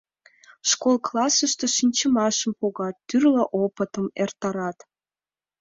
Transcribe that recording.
Школ класслаште шинчымашым погат, тӱрлӧ опытым эртарат.